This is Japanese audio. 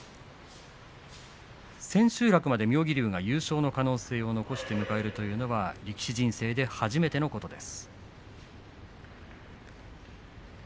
千秋楽まで妙義龍が優勝の可能性を残して迎えるというのは力士人生で初めてのことです。